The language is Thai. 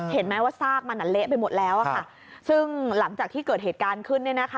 เห็นไหมว่าซากมันเละไปหมดแล้วค่ะซึ่งหลังจากที่เกิดเหตุการณ์ขึ้น